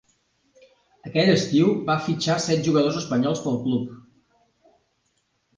Aquell estiu, va fitxar set jugadors espanyols pel club.